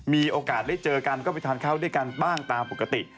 มีโอกาสได้เจอกันก็ไปทานข้าวด้วยกันบ้างตามปกติ